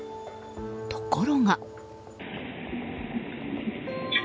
ところが。